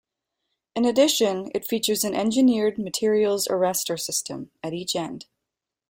In addition it features a engineered materials arrestor system at each end.